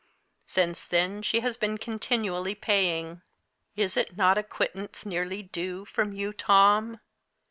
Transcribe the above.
Since then she has been continually paying. Is not a quittance nearly due from you, Tom?